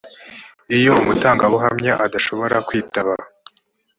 iyo umutangabuhamya adashobora kwitaba